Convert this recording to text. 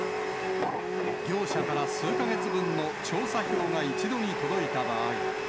業者から数か月分の調査票が一度に届いた場合。